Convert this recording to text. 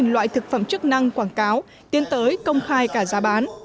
hai mươi tám loại thực phẩm chức năng quảng cáo tiến tới công khai cả giá bán